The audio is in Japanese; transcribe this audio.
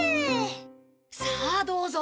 さあどうぞ。